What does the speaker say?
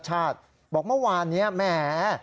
บอกเมื่อวานนี้แหม